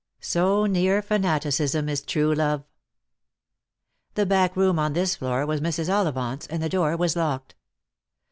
So near fanaticism is true love ! The back room on this floor was Mrs. Ollivant's, and the door ■was locked.